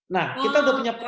nah kita udah punya